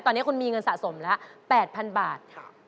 ตอนนี้คุณมีเงินสะสมแล้ว๘๐๐๐บาท